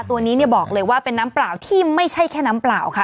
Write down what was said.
ตัวนี้เนี่ยบอกเลยว่าเป็นน้ำเปล่าที่ไม่ใช่แค่น้ำเปล่าค่ะ